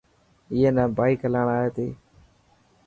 اي نا بائڪ هلائڻ آئي تي.